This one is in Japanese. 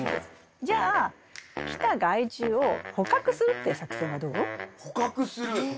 じゃあ来た害虫を捕獲するっていう作戦はどう？捕獲する？